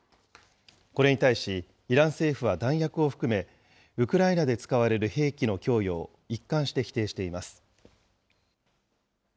これに対し、イラン政府は弾薬を含めウクライナで使われる兵器の供与を一貫して否定しています。